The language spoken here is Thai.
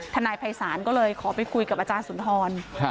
นายภัยศาลก็เลยขอไปคุยกับอาจารย์สุนทร